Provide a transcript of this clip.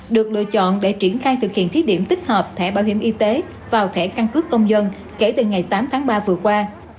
được lựa chọn để triển khai thực hiện thí điểm tích hợp thẻ bảo hiểm y tế vào thẻ căn cước công dân kể từ ngày tám tháng ba vừa qua